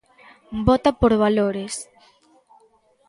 Vota por valores.